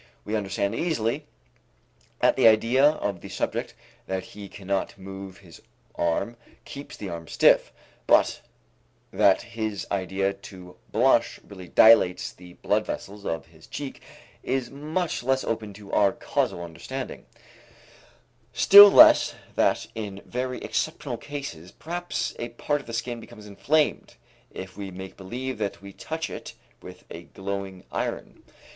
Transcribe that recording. We understand easily that the idea of the subject that he cannot move his arm keeps the arm stiff; but that his idea to blush really dilates the blood vessels of his cheek is much less open to our causal understanding; still less that in very exceptional cases perhaps a part of the skin becomes inflamed, if we make believe that we touch it with a glowing iron.